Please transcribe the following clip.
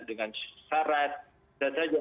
dengan syarat tidak saja